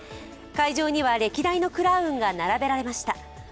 会場には歴代のクラウンが並べられました。